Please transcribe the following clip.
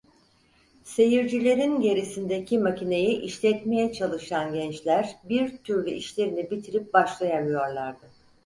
Seyircilerin gerisindeki makineyi işletmeye çalışan gençler bir türlü işlerini bitirip başlayamıyorlardı.